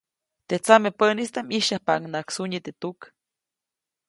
Teʼ tsamepäʼnistaʼm ʼyisyajpaʼuŋnaʼak sunyi teʼ tuk.